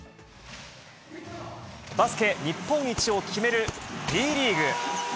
バスケ日本一を決めるＢリーグ。